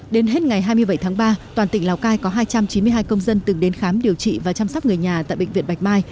đến hết ngày hai mươi bảy tháng ba toàn tỉnh lào cai có hai trăm chín mươi hai công dân từng đến khám điều trị và chăm sóc người nhà tại bệnh viện bạch mai